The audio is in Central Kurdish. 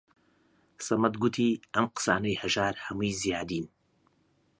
سەمەد گوتی: ئەم قسانەی هەژار هەمووی زیادین